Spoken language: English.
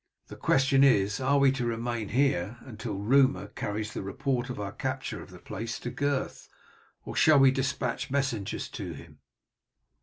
"The question is, are we to remain here until rumour carries the report of our capture of the place to Gurth, or shall we despatch messengers to him?"